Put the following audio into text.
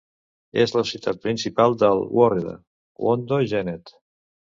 És la ciutat principal del "woreda" Wondo Genet.